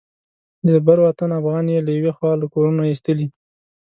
د بر وطن افغانان یې له یوې خوا له کورونو ایستلي.